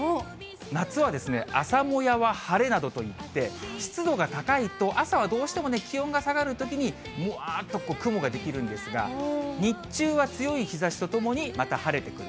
夏は朝もやは晴れなどといって、湿度が高いと朝はどうしても気温が下がるときにもわーっと雲が出来るんですが、日中は強い日ざしとともにまた晴れてくる。